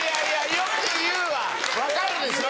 よく言うわ分かるでしょ。